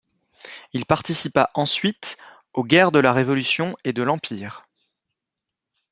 Il participa ensuite aux guerres de la révolution et de l'Empire.